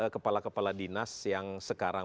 kepala kepala dinas yang sekarang